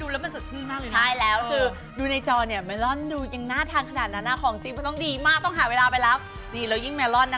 ดูแล้วมันสดชื่นมากเลยมาก